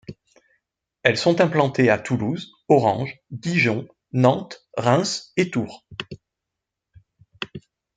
Elles sont implantées à Toulouse, Orange, Dijon, Nantes, Reims et Tours.